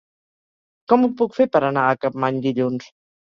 Com ho puc fer per anar a Capmany dilluns?